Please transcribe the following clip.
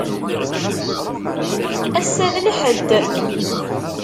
Assa d lḥedd.